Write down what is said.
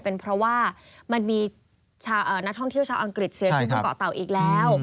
เป็นเพราะว่ามันมีนักท่องเที่ยวชาวอังกฤษเสียชีวิตบนเกาะเต่าอีกแล้ว